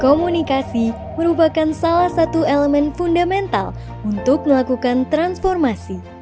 komunikasi merupakan salah satu elemen fundamental untuk melakukan transformasi